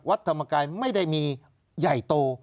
ธรรมกายไม่ได้มีใหญ่โต